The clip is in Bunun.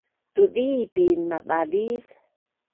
tudipin mabaliv